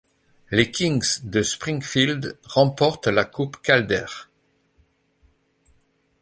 Les Kings de Springfield remportent la coupe Calder.